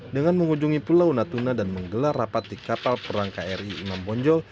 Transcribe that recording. dengan mengunjungi pulau natuna dan menggelar rapat di kapal perang kri imam bonjol